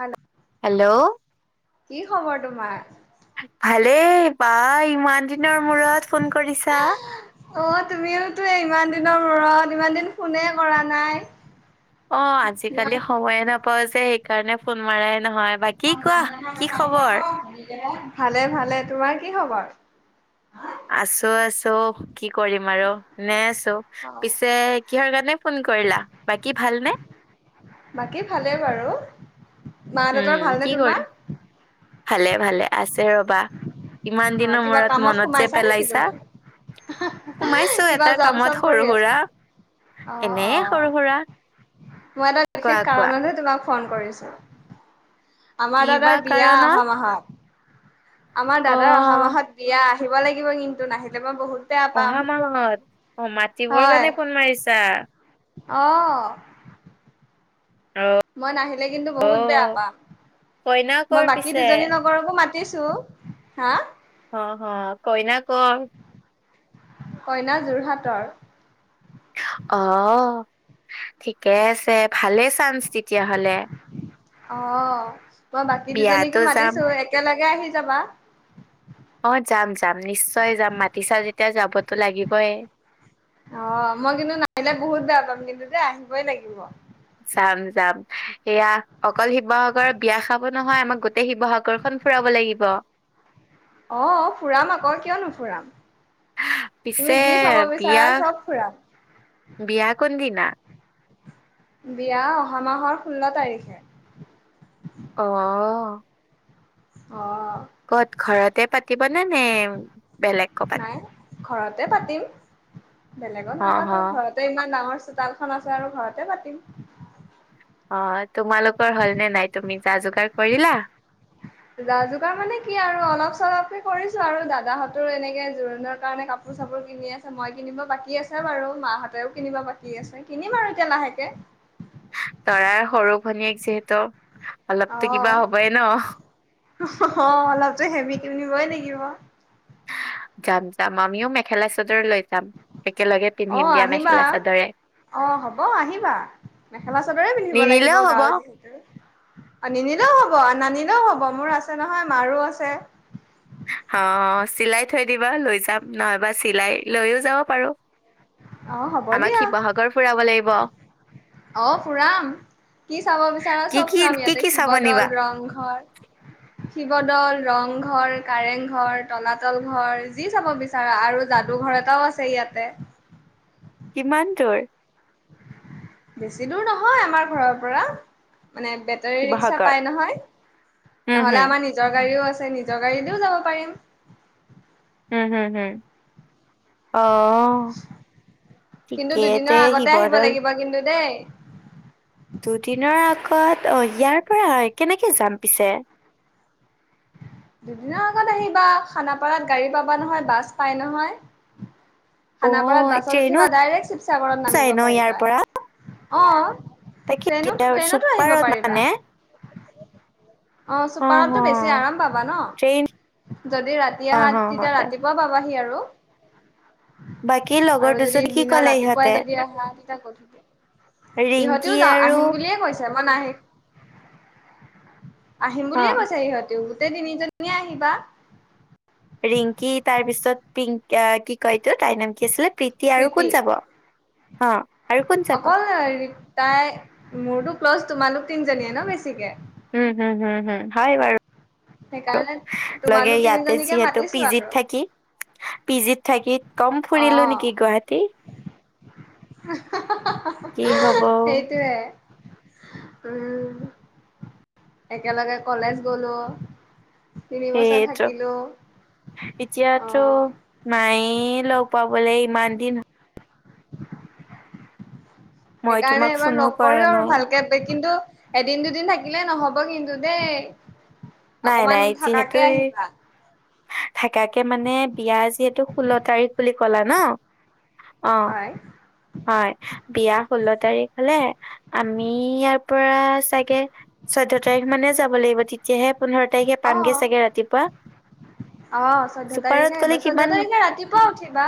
Hello hello. কি খ খবৰ তোমাৰ। ভালে বা ইমান দিনৰ মূৰত ফোন কৰিছা। অহ তুমিওতো ইমান দিনৰ মূৰত ইমান দিন ফোনে কৰা নাই। অহ আজিকালি সময়ে নাপাওঁ যে সেইকাৰণে ফোন মাৰই নহয় বাকী। কি কোৱা কি খবৰ। বেয়া ভালে ভালে তোমাৰ কি খবৰ। আছো আছো। কি কৰিম আৰু এনেই আছো পিছে কিহৰ কাৰণে ফোন কৰিলা বাকী ভালনে। বাকী ভালে বাৰু। মা দেউতাৰ উম ভালনে কি তোমাৰ? কৰি ভালে ভালে আছে ৰবা। ইমান অ' দিনৰ কিবা মূৰত কামত মনত যে সোমাইছা নেকি পেলাইছা। তুমি? সোমাইছো কিবা এটা জব চব কামত কৰি সৰু আছা? সুৰা। অ' এনেই অ' সৰু সুৰা। মই এটা কোৱা বিশেষ কোৱা কাৰণতহে তোমাক ফোন কৰিছোঁ। আমাৰ কিবা দাদাৰ বিয়া কাৰণত অহা মাহত আমাৰ দাদাৰ অহা অ'। মাহত বিয়া। আহিব লাগিব কিন্তু নাহিলে মই বহুত। বেয়া পাম অহা মাহত অ মাতিবৰ কাৰণে ফোন মাৰিছা। অহ। অ। মই নাহিলে কিন্তু অ বহুত বেয়া পাম কইনা মই কৰ বাকী পিছে দুজনী নক ৰকো মাতিছো হা। অহ অহ কইনা কোন। কইনা যোৰহাটৰ। অহ ঠিকে আছে ভালে চান্স তেতিয়াহলে। অহ মই বাকী বিয়াতো দুজনীকো যাম মাতিছো একেলগে আহি যাবা। অহ যাম যাম নিশ্চয় যাম মাতি চা যেতিয়া যাবতো লাগিবই। অহ মই কিন্তু নাহিলে বহুত বেয়া পাম কিন্তু যে আহিবই লাগিব। যাম যাম সেয়া অকল শিৱসাগৰ বিয়া খাব নহয় আমাক গো গোটেই শিৱসাগৰ খন ফুৰাব লাগিব। অহঁ ফুৰাম আকৌ কিয় নোফুৰাম। তুমি পিছে যি চাব বিয়া বিচাৰা চব ফুৰাম। বিয়া কোন দিনা? বিয়া অহা মাহৰ, ষোল্ল তাৰিখে। অ'। অ'। ক'ত ঘৰতে পাতিবনে, নে বেলেগ ক'ৰবাত। নাই ঘৰতে পাতিম, বেলেগত অ অ নাপাতো ঘৰত তাতে, ইমান ডাঙৰ চোতালখন আছে আৰু ঘৰতে পাতিম। অ', তোমালোকৰ হ'ল নে নাই, তুমি যা-যোগাৰ কৰিলা? যা-যোগাৰ মানে কি আৰু অলপ-চলপকে কৰিছো আৰু, দাদাহঁতৰো এনেকে জোৰোণৰ কাৰণে কাপ কাপোৰ-চাপোৰ কিনি আছে, মই কিনিব বাকী আছে বাৰু মাহঁতেও কিনিব বাকী আছে। কিনিম আৰু এতিয়া লাহেকে। দৰাৰ সৰু ভনীয়েক যিহেতু অলপতো অ', কিবা হ'বই ন। অ', অলপতো হেভি কিনিবই লাগিব। যাম, যাম আমিও মেখেলা-চাদৰ লৈ যাম, একেলগে পিন্ধিম অ', দিয়া আহিবা মেখেলা-চাদৰে অ', হ'ব আহিবা, মেখেলা-চাদৰে পিন্ধিব লাগিব নিনিলেও হব গাঁৱত। অ', নিনিলেও হব, নানিলেও হব মোৰ আছে নহয় মাৰো আছে। অ', অ', চিলাই থৈ দিবা, লৈ যাম নহবা চিলাই লৈও যাব পাৰো। অ', হ'ব আমাক দিয়া শিৱসাগৰ ফুৰাব লাগিব। অ', ফুৰাম কি চাব বিচাৰা, কি চব কি ফুৰাম কি ইয়াতে কি চাব নিবা শিৱদল, ৰংঘৰ। শিৱদল, ৰংঘৰ, কাৰেংঘৰ, তলাতল ঘৰ যি চাব বিচ ৰা যাদু ঘৰ এটাও আছে ইয়াতে কিমান দূৰ। বেছি দূৰ নহয়, আমাৰ ঘৰৰ পৰা মানে বেত বেটাৰি ৰিক্সা শিৱসাগৰ পাই নহয়, উম নহ'লে হুম আমাৰ নিজৰ গাড়ীও আছে, নিজৰ গাড়ী দিও যাব পাৰিম। উম, হম, হম, অ'। অ', কিন্তু দুদিনৰ ঠিকেতে আগতে আহিব শিৱদৌল লাগিব কিন্তু দেই। দুদিনৰ আগত, অ', ইয়াৰ পৰা কেনেকে যাম পিছে। দুদিনৰ আগত আহিবা, খানাপাৰাত গাড়ী পাবা নহয়, বাছ পাই নহয়। অ খানাপাৰাত বাছত ট্ৰেইনো উঠিবা ডাইৰেক্ট শিৱসাগৰত যায় নামিব ন ইয়াৰ পাৰিবা, পৰা অ'। তাকে এতিয়া ট্ৰেইনত, ট্ৰেইনতো আহিব চুপাৰত পাৰিবা। মানে অ', চুপাৰতো বেছি আৰাম পাবা ন, ট্ৰেইন যদি ৰাতি অ আহা হ হ তেতিয়া তাই। ৰাতি পোৱা পাবা হি আৰু। বাকী লগৰ আৰু যদি দুজনী কি দিনত ক'লে ৰাতিপুৱাই ইহঁতে? যদি আহা তেতিয়া গধূলি। ৰিংকি ইহঁতিও যাওঁ আৰু আহিম বুলিয়ে কৈছে মই নাহী আহিম অ বুলিয়ে কৈছে ইহঁতিও, গোটেই তিনিজনীয়ে আহিবা। ৰিংকি তাৰ পিছত, পিংক আহ কি কয়টো তাইৰ নাম কি আছিলে প্ৰীতি আৰু কোন যাব। অ'। আৰু কোন যাব? অকল তাই, মোৰতো ক্লচ তোমালোক তিনিজনীয়ে ন বেছিকে। উম, হম, হম, হয়, বাৰু। সেইকাৰণে লগে তোমালোক ইয়াতে, তিনিজনীকে যিহেতু মাতিছো পিজিত আৰু থাকি পিজিত থাকি, কম ফুৰিলো নেকি গুৱাহাটী। কি হব হেইটোৱে। উম। একেলগে কলেজ গ'লো। তিনি বছৰ সেইটো থাকিলোঁ। অ'। নাইয়ে লগ পাবলে। ইমান দিন মই সেইকাৰণে তোমাক এইবাৰ ফোনো লগ কৰোঁ কৰা আৰু নাই ভালকে কিন্তু এদিন-দুদিন থাকিলে নহব কিন্তু দেই। নাই অকমান নাই যিহেতু থকাকে এই আহিবা। থাকাকে মানে বিয়া যিহেতু ষোল্ল তাৰিখ বুলি ক'লা ন' অ', হয় হয়। বিয়া ষোল্ল তাৰিখ হ'লে আমি ইয়াৰ পৰা চাগে চৈধ্য তাৰিখ মানে যাব লাগিব। তেতিয়াহে পোন্ধৰ তাৰিখে অ পামগে চাগে ৰাতিপুৱা। অ' চৈধ্য চুপাৰত তাৰিখে গ'লে আহিবা। কিমান চৈধ্য তাৰিখে ৰাতিপুৱা উঠিবা।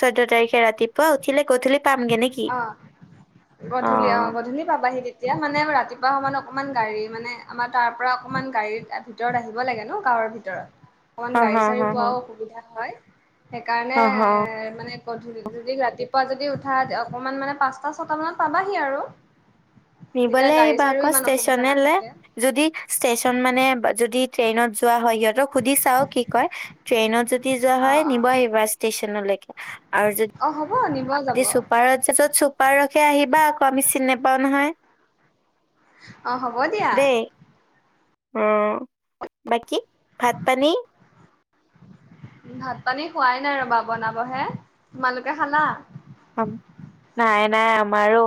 চৈধ্য তাৰিখে ৰাতিপুৱা উঠিলে গধূলি পামগে নেকি অ'। গধূলি অ' গধূলি পাবাহি এতিয়া মানে ৰাতিপুৱা সময়ত অকণমান গাড়ীৰ মানে আমাৰ তাৰপৰা অকমান গাড়ী ভিতৰত আহিব লাগে ন' গাঁৱৰ ভি তৰত। অকণমান হ হ গাড়ী-চাৰি হ হ পোৱাও অসুবিধা হয়। হ সেইকাৰণে হ মানে গধূলি যদি- ৰাতিপুৱা যদি উঠা অকমান মানে পাঁচটা-ছটা মানত পাবাহি আৰু। তেতিয়া নিবলে গাড়ী আহিবা চাড়ীও আক' ইমান অসুবিধা ষ্টেচনলে। নাথাকে। যদি ষ্টেচন মানে যদি ট্ৰেইনত যোৱা হয়, সিহঁতক সুধি চাওঁ কি কয়। ট্ৰেইনত যদি যদি যোৱা হয়, অ', নিব অ', আহিবা ষ্টেচনলৈকে আৰু যদি অ হ'ব নিব যি যাব চুপাৰত যে যত চুপাৰহে আহিবা আকৌ, আমি চিনি নাপাওঁ নহয়। অ', হ'ব দিয়া। দেই অ', বাকী ভাত-পানী? ভাত-পানী খোৱাই নাই ৰ'বা, বনাবহে। তোমালোকে খালা? নাই - নাই আমাৰো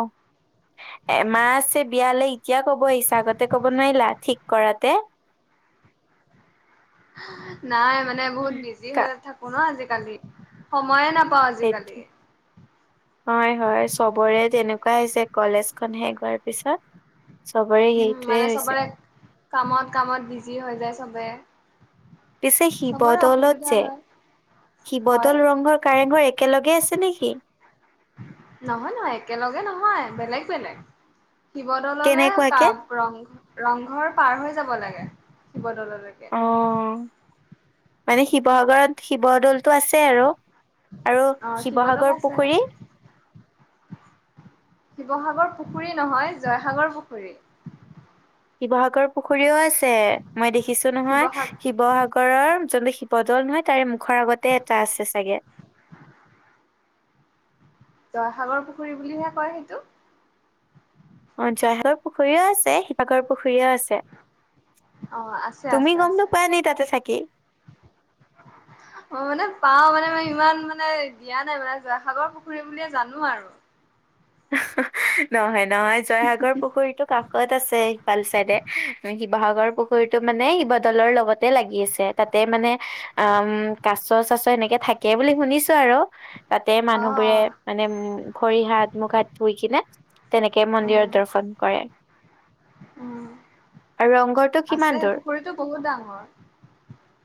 এমাহ আছে বিয়ালে, এতিয়া কব আহিছা। আগতে কব নোৱাৰিলা ঠিক কৰাতে? [inaudible] নাই, মানে বহুত বিজি হৈ কা- থাকোঁ ন' আজিকালি। সময়ে নাপাওঁ সেইটো আজিকালি। হয় - হয়, চবৰে তেনেকুৱাই যে কলেজখন শেষ হোৱাৰ পিছত। চবৰে উম, সেইটোৱে মানে হৈছে। চবৰে কামত - কামত বিজি হৈ যায় চবে। পিছে চবৰে শিৱদলত অসুবিধা যে, হয়। হয়, শিৱদৌল, ৰংঘৰ, কাৰেংঘৰ এক একেলগে আছে নেকি? নহয় - নহয়, একেলগে নহয়। বেলেগ - বেলেগ। শিৱদললে কা কেনেকুৱাকে? ৰংঘ- ৰংঘৰ পাৰ হৈ যাব লাগে, শিৱদললৈকে। অ', মানে শিৱসাগৰত শিৱদ'লটো আছে আৰু। আৰু অ শিৱদৌল শিৱসাগৰ আছে পুখুৰী? শিৱসাগৰ পুখুৰী নহয়, জয়সাগৰ পুখুৰী। শিৱসাগৰ পুখুৰীও আছে, মই দেখিছোঁ নহয়। শিৱসাগ শিৱসা গৰৰ যোনটো শিৱদৌল নহয়, তাৰে মুখৰ আগতে এটা আছে চাগে। জয়সাগৰ পুখুৰী বুলিহে কয় সেইটো। অ' জয়সাগৰ পুখুৰীও আছে, শিৱাগৰ পুখুৰীও আছে। অ তুমি গম নোপোৱা নে তাতে থাকি? [inaudible] অ' মানে পাওঁ মানে মই ইমান মানে দিয়া নাই মানে, জয়সাগৰ পুখুৰী বুলিয়ে জানোঁ আৰু। নহয় - নহয়, জয়সাগৰ পুখুৰীটো কাষ ষত আছে সিফাল চাইডে। শিৱসাগৰ পুখুৰীটো মানে শিৱদলৰ লগতে লাগি আছে। তাতে মানে অ কাছ চাছৰ এনেকে থাকে বুলি শুনিছো আৰু। তাতে অ মানুহবোৰে অ মানে উ ভৰি হাত মুখ হাত ধুই কিনে তেনেকে মন্দিৰত উম দৰ্শন কৰে। উম আৰু ৰংঘৰটোত আছে পুখুৰীতটো বহুত ডাঙৰ।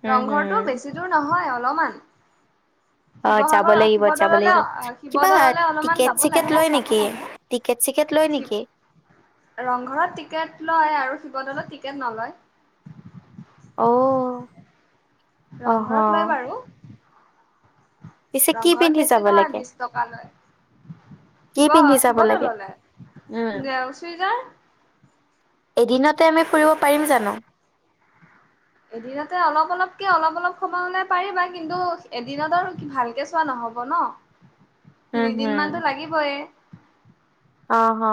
উম ৰংঘৰটো হম বেছি দূৰ নহয় অলপমান। অ যাব শিৱসাগৰ লাগিব, যাব শিৱদৌললে লাগিব কিবা শিৱদৌললে অলপমান টিকেট যাব চিকেট লাগে লয় নেকি? টিকেট চিকেট লয় শিৱ নেকি? ৰংঘৰত টিকেট লয় আৰু শিৱদৌলত টিকেট নলয়। অ অহ ৰংঘৰত লয় বাৰু। পিছে কি ৰংঘৰত পিন্ধি বেছি যাব নহয় লাগে বিশ টকা লয়। কি শিৱ পিন্ধি যাব লাগে? শিৱদৌললে? উম, চুৰিদাৰ এদিনতে আমি ফুৰিব পাৰিম জানো? এদিনতে অলপ অলপকে, অলপ অলপ সময়লে পাৰিবা কিন্তু, এদিনত আৰু ভালকে চোৱা নহব ন? উম, হুম। তিনিদিন মানটো লাগিবই। অ অ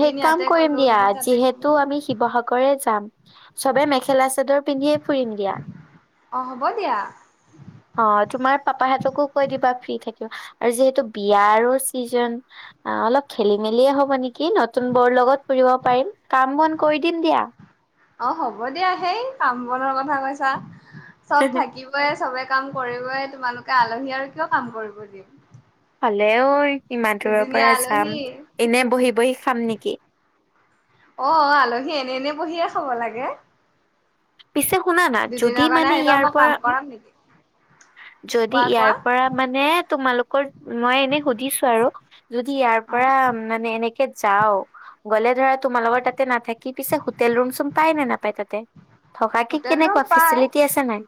সেই কাম কৰিম গ'লো দিয়া এদিন তাতে গ'লো যিহেতু আমি শিৱসাগৰে যাম। চবে মেখেলা চাদৰে পিন্ধিয়ে ফুৰিম দিয়া। অ হ'ব দিয়া। অ তোমাৰ পাপাহঁতকো কৈ দিবা ফ্ৰী থাকিব। আৰু যিহেতু বিয়াৰো ছিজন। অলপ খেলি মেলিয়ে হব নেকি? নতুন বৰ লগত ফুৰিব পাৰিম। কাম বন কৰি দিম দিয়া। অ হ'ব দিয়া। হেই কাম বনৰ কথা কৈছা চব থাকিব। চবে কাম কৰিবই, তোমালোকে আলহী আৰু কিয় কাম কৰিব দিম? হলেও ইমান দূৰৰ দুদিনীয়া পৰা যাম, আলহী এনে বহি বহি খাম নেকি? অ আলহী এনে এনে বহিয়ে খাব লাগে। পিছে শুনা না যদি দুদিনৰ কাৰণে মানে আহিবা আ ইয়াৰ মই কাম পৰা কৰাম নেকি? যদি কোৱা ইয়াৰ কোৱা পৰা মানে তোমালোকৰ মই এনে সুধিছো আৰু। যদি ইয়াৰ পৰা মানে এনেকে যাও গলে ধৰা, তোমালোকৰ লগৰ তাতে নাথাকি কি পিছে হোটেল ৰুম চুম পায় নে নাপায় তাতে? থকা কি হোটেল ৰুম কেনেকুৱা পাই ফেচিলিটি আছে নাই?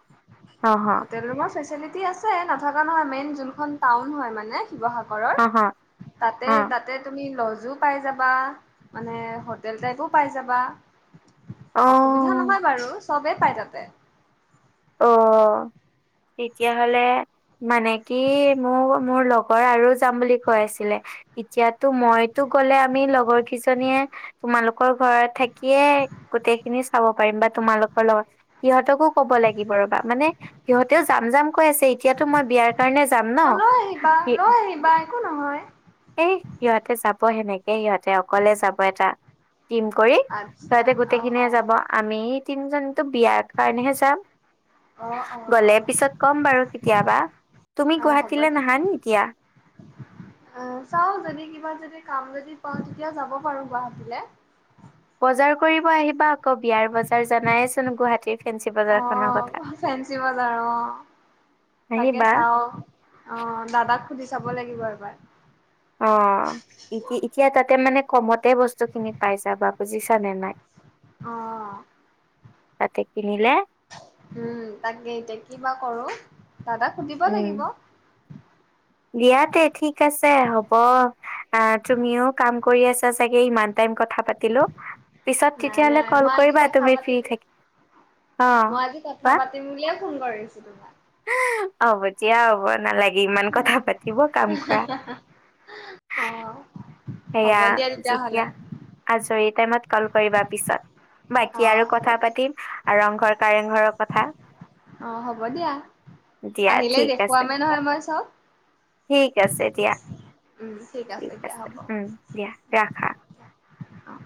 অ [unintelligible] আছে নথকা নহয় মেইন যোনখন টাউন হয় মানে শিৱসাগৰৰ অ' হ' তাতে তাত তাতে তুমি লজো পাই যাবা, মানে হোটেল টাইপো পাই যাবা। অ' অসুবিধা নহয় বাৰু চবেই পাই তাতে। অ তেতিয়াহলে মানে কি মোৰ মোৰ লগৰ আৰু যাম বুলি কৈ আছিলে। এতিয়াতো মইতো গ'লে আমি লগৰ কেইজনীয়ে তোমালোকৰ ঘৰত থাকিয়ে গোটেই খিনি চাব পাৰিম বা তোমালোকৰ লগত। সিহঁতকো কব লাগিব ৰবা, মানে সিহঁতেও যাম যাম কৈ আছে এতিয়াতো মই বিয়াৰ কাৰণে যাম ন। অ লৈ আহিবা, লৈ আহিবা একো নহয়। এ সিহঁতে যাব সেনেকে সিহঁতে অকলে যাব এটা ট্ৰিম কৰি। আচ্ছা সিহতে অ অ গোটেইখিনিয়ে যাব আমি তিনিজনী বিয়াৰ কাৰণেহে যাম। অ অ অ গলে পিছত কম বাৰু কেতিয়াবা। তুমি হ'ব গুৱাহাটীলৈ দে নাহা নি এতিয়া? অ চাও যদি কিবা যদি কাম যদি পাও তেতিয়া যাব পাৰো গুৱাহাটীলে। বজাৰ কৰিব আহিবা আকৌ বিয়াৰ বজাৰ জানাইচোন গুৱাহাটীৰ ফেঞ্চি বজাৰ অ খনৰ কথা। ফেঞ্চি বজাৰ অ তাকে আহিবা চাও। অ' দাদাক সুধি চাব লাগিব এবাৰ। অ' ইতি এতিয়া তাতে মানে কমতে বস্তু খিনি পাই যাবা, বুজিছা নে নাই? অ' তাতে কিনিলে উম, তাকে এতিয়া কিবা কৰোঁ, দাদাক সুধিব উম লাগিব। দিয়াতে ঠিক আছে হ'ব। আ' তুমিও কাম কৰি আছা চাগে ইমান টাইম কথা পাতিলো। পিছত নাই তেতিয়া হ'লে নাই কল মই আজি কৰিবা কথা তুমি ফ্ৰী পাতিম থাকি অ মই আজি বা কথা পাতিম বুলিয়ে ফোন কৰিছো তোমাক। হ'ব দিয়া হ'ব নালাগি। অ' হ'ব সেয়া দিয়া জিকা তেতিয়াহ'লে আজৰি টাইমত কল কৰিবা পিছত অ বাকী আৰু হ'ব কথা দিয়া পাতিম। ৰংঘৰ কাৰেংঘৰৰ কথা। অ হ'ব দিয়া, দিয়া আহিলে ঠিক আছে, দেখুৱামে নহয় মই চব। ঠিক আছে দিয়া। উম ঠিক দিয়া আছে, হ'ব উম দিয়া ৰাখা। অ